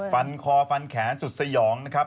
ฟันคอฟันแขนสุดสยองนะครับ